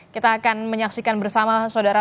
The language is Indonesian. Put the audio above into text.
kita akan menyaksikan bersama saudara